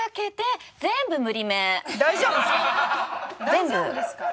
大丈夫ですか？